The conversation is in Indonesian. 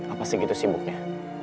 apa segitu sibuknya